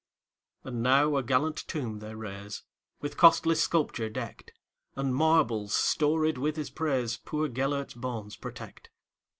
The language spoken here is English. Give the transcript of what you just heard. And now a gallant tomb they raise, With costly sculpture decked; And marbles storied with his praisePoor Gêlert's bones protect.